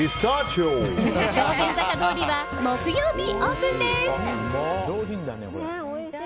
道玄坂通は木曜日、オープンです！